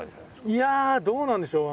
いやあどうなんでしょう。